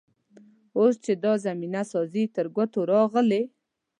اوس چې دا زمینه سازي تر ګوتو راغلې.